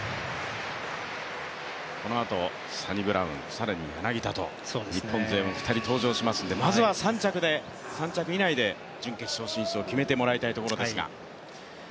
このあとサニブラウン、更に柳田と日本勢も２人登場しますのでまずは３着以内で準決勝進出を決めてもらいたいところですが。